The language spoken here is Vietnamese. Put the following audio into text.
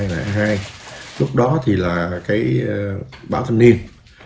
lúc đó thì là cái bảo thanh niên